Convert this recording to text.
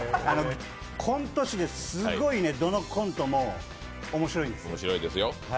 コント師で、すごいどのコントも面白いんですよ。